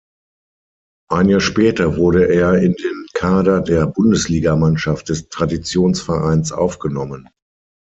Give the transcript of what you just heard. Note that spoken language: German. Ein Jahr später wurde er in den Kader der Bundesligamannschaft des Traditionsvereins aufgenommen.